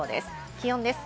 気温です。